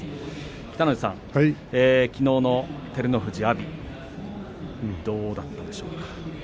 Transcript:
北の富士さんきのうの照ノ富士、阿炎どうだったでしょうか？